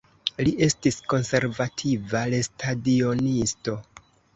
Li estis konservativa lestadionisto.